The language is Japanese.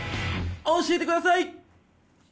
教えてください。